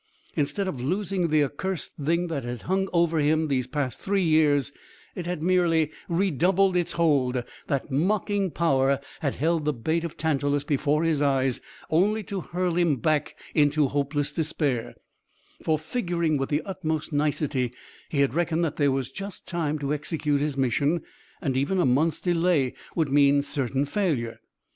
Instead of losing the accursed thing that had hung over him these past three years, it had merely redoubled its hold; that mocking power had held the bait of Tantalus before his eyes, only to hurl him back into hopeless despair; for, figuring with the utmost nicety, he had reckoned that there was just time to execute his mission, and even a month's delay would mean certain failure.